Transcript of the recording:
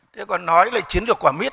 thế còn nói lại chiến lược quả miết